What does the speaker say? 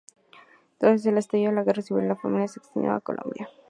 Tras el estallido de la Guerra Civil, la familia se exilió a Colombia.